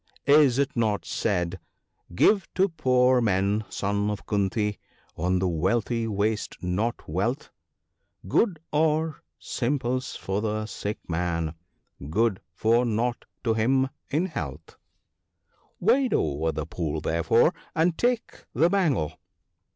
Is it not said, " Give to poor men, son of KOnti ( le )— on the wealthy waste not wealth : Good are simples for the sick man, good for nought to him in health." ' Wade over the pool, therefore, and take the bangle."